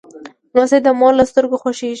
لمسی د مور له سترګو خوښیږي.